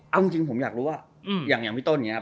เอาจริงผมอยากรู้ว่าอย่างพี่ต้นอย่างนี้ครับ